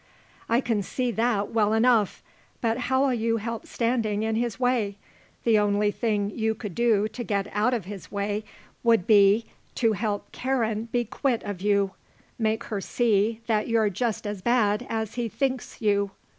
"I can see that well enough. But how'll you help standing in his way? The only thing you could do to get out of his way would be to help Karen to be quit of you. Make her see that you're just as bad as he thinks you.